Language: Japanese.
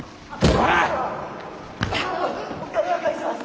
お金は返します！